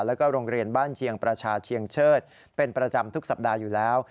แล้วก็โรงเรียนบ้านเชียงประชาเชียงเชิดเป็นประจำทุกสัปดาห์อยู่แล้ว